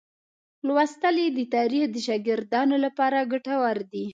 لوستل یې د تاریخ د شاګردانو لپاره ګټور دي.